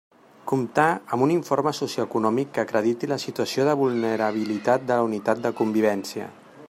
Comptar amb un informe socioeconòmic que acrediti la situació de vulnerabilitat de la unitat de convivència.